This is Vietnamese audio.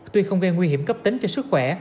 tuy không gây nguy hiểm cấp tính cho sức khỏe